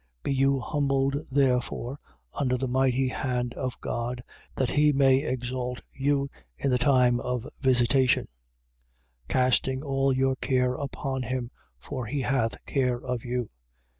5:6. Be you humbled therefore under the mighty hand of God, that he may exalt you in the time of visitation: 5:7. Casting all your care upon him, for he hath care of you.